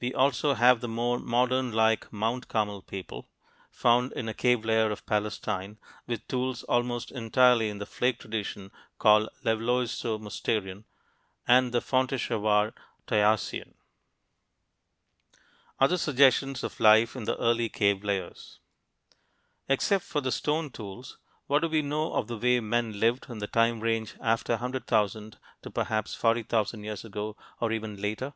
We also have the more modern like Mount Carmel people, found in a cave layer of Palestine with tools almost entirely in the flake tradition, called "Levalloiso Mousterian," and the Fontéchevade Tayacian (p. 59). [Illustration: MOUSTERIAN POINT] OTHER SUGGESTIONS OF LIFE IN THE EARLY CAVE LAYERS Except for the stone tools, what do we know of the way men lived in the time range after 100,000 to perhaps 40,000 years ago or even later?